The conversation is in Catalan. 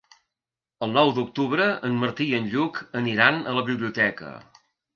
El nou d'octubre en Martí i en Lluc aniran a la biblioteca.